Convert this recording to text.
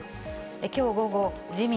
きょう午後、自民、